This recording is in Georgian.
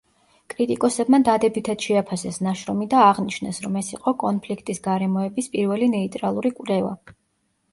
კრიტიკოსებმა დადებითად შეაფასეს ნაშრომი და აღნიშნეს, რომ ეს იყო კონფლიქტის გარემოების პირველი ნეიტრალური კვლევა.